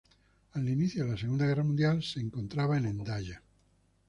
Al inicio de la Segunda Guerra Mundial se encontraba en Hendaya.